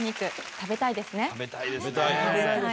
食べたいです。